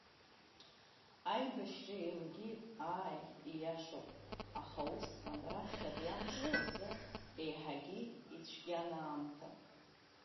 Аибашьра еилгеит, ааи, ииашоуп, аха усҟан раԥхьатәи амшқәа рзы еиҳагьы ицәгьан аамҭа.